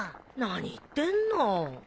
何言ってんの。